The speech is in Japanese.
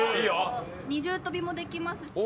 二重跳びもできますし。